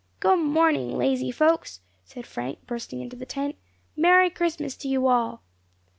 "Good morning, lazy folks!" said Frank, bursting into the tent. "Merry Christmas to you all!"